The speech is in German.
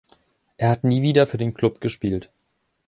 Er hat nie wieder für den Club gespielt.